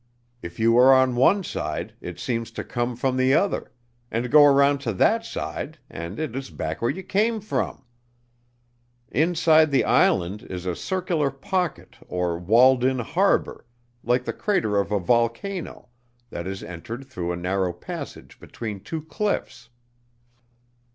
If you are one side, it seems to come from the other, and go around to that side and it is back where you came from. Inside the island is a circular pocket or walled in harbor, like the crater of a volcano, that is entered through a narrow passage between two cliffs.